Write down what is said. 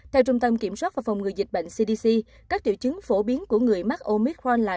theo trung tâm kiểm soát và phòng ngừa dịch bệnh cdc các tiểu chứng phổ biến của người mắc omicron là